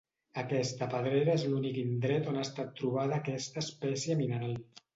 Aquesta pedrera és l'únic indret on ha estat trobada aquesta espècie mineral.